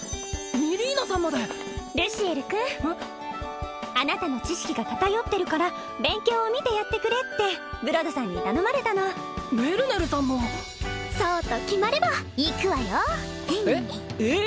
ミリーナさんまでルシエル君あなたの知識が偏ってるから勉強を見てやってくれってブロドさんに頼まれたのメルネルさんもそうと決まれば行くわよえっ？え？